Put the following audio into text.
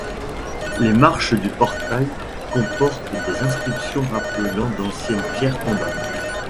Les marches du portail comportent des inscriptions rappelant d'anciennes pierres tombales.